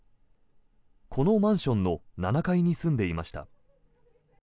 このマンションの７階に住んでいました。